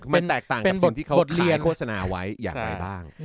มันแตกต่างกับคนที่เขาเรียกโฆษณาไว้อย่างไรบ้าง